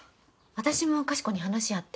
私もかしこに話あって。